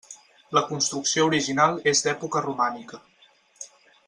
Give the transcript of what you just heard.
La construcció original és d'època romànica.